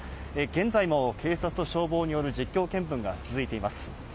現在も警察と消防による実況見分が続いています。